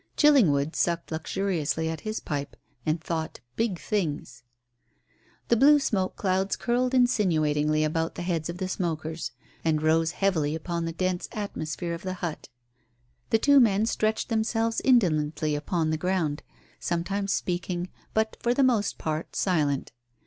Chillingwood sucked luxuriously at his pipe and thought big things. The blue smoke clouds curled insinuatingly about the heads of the smokers, and rose heavily upon the dense atmosphere of the hut. The two men stretched themselves indolently upon the ground, sometimes speaking, but, for the most part, silent.